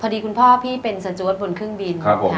คุณพ่อพี่เป็นสจวดบนเครื่องบิน